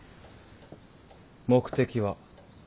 目的は？